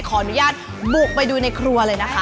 ขออนุญาตบุกไปดูในครัวเลยนะคะ